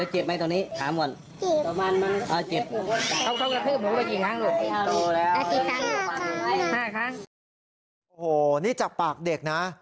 โหนี่จับปากเด็กนะ